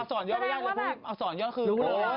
แสดงว่าแบบเอาสอนยอดคืน